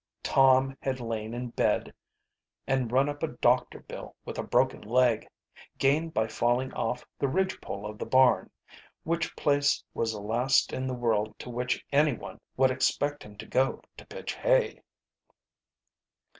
Tom had lain in bed and run up a doctor bill with a broken leg, gained by falling off the ridge pole of the barn which place was the last in the world to which any one would expect to go to pitch hay.